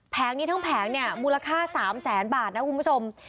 นี้ทั้งแผงเนี่ยมูลค่า๓แสนบาทนะคุณผู้ชม